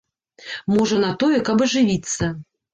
Можа, на тое, каб ажывіцца.